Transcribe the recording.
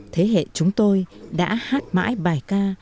thế hệ chúng tôi đã hát mãi bài ca